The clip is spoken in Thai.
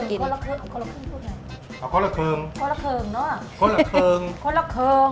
เอาข้อละเคิงข้อละเคิงข้อละเคิงพูดไหนอ่าข้อละเคิงข้อละเคิงเนอะข้อละเคิง